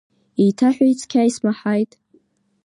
Еиҭаҳәеи цқьа исмаҳаит.